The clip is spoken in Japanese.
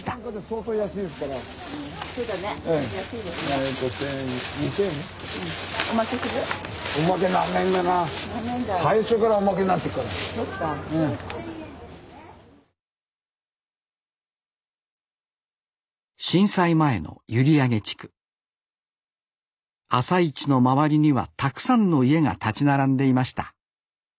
朝市の周りにはたくさんの家が立ち並んでいました